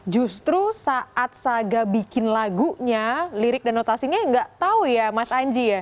justru saat saga bikin lagunya lirik dan notasinya nggak tahu ya mas anji ya